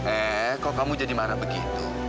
eh kok kamu jadi marah begitu